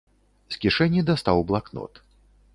З кішэні дастаў блакнот.